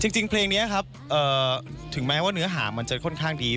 จริงเพลงนี้ครับถึงแม้ว่าเนื้อหามันจะค่อนข้างดี